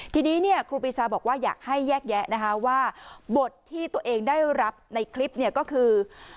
ทีนี้เนี่ยครูปีชาบอกว่าอยากให้แยกแยะนะคะว่าบทที่ตัวเองได้รับในคลิปเนี่ยก็คือ